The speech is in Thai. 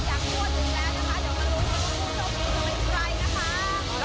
ตอนนี้นะคะคุณกลมกว่ายังรวดถึงแล้วนะคะ